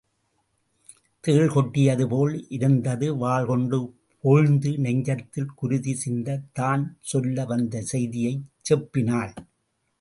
தேள் கொட்டியதுபோல் இருந்தது வாள் கொண்டு போழ்ந்த நெஞ்சத்தில் குருதி சிந்தத் தான் சொல்ல வந்த செய்தியைச் செப்பினாள்.